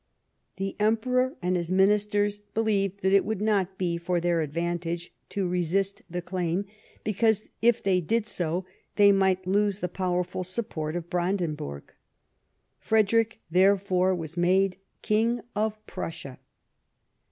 The Emperor and his ministers believed that it would not be for their advantage to resist the claim, because if they did so thev might lose the power ful support of Brandenburg. Frederick, therefore, was made King of Prussia.